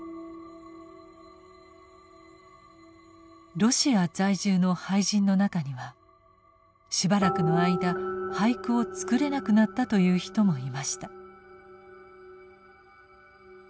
ロシア在住の俳人の中にはしばらくの間俳句を作れなくなったという人もいました。